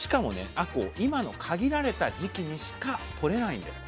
あこう今の限られた時期にしかとれないんです。